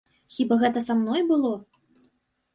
Хіба гэта са мной было?